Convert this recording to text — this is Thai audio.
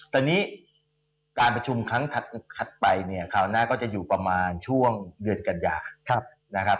แต่นี้การประชุมครั้งถัดไปเนี่ยคราวหน้าก็จะอยู่ประมาณช่วงเดือนกันยานะครับ